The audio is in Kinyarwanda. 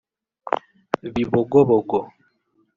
Bibogobogo